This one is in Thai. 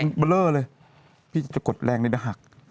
มันเบลอร์เลยพี่จะกดแรงได้หัก